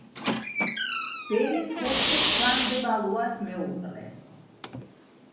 ბერის ჰერცოგ ჟან დე ვალუას მეუღლე.